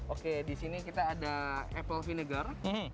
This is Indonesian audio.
oke disini kita ada apple vinegar